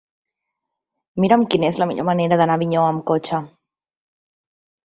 Mira'm quina és la millor manera d'anar a Avinyó amb cotxe.